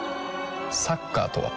サッカーとは？